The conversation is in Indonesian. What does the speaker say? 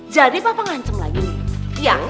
jadi papa ngancem lagi nih